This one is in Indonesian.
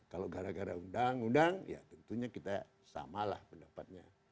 kalau gara gara undang undang ya tentunya kita samalah pendapatnya